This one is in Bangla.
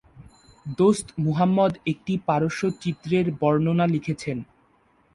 দোস্ত মুহাম্মদ একটি পারস্য চিত্রের বর্ণনা লিখেছেন।